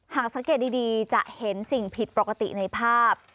หากสังเกตดีจะเห็นสิ่งผิดปกติในภาพ